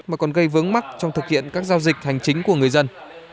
mà còn gây vướng mắt trong thực hiện các giao dịch hành chính của người dân